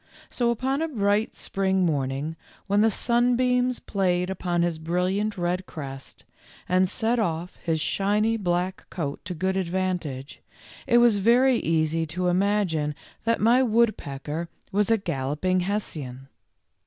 So upon a bright spring morning, when the sunbeams played upon his brilliant red crest, and set off his shiny black coat to good advantage, it was very easy to imagine that my woodpecker was a galloping Hessian.